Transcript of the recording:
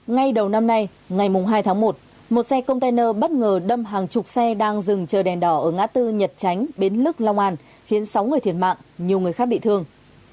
ngay đầu năm nay ngày hai tháng một một xe container bất ngờ đâm hàng chục xe đang dừng chờ đèn đỏ ở ngã tư nhật tránh bến lức long an khiến sáu người thiệt mạng nhiều người khác bị thương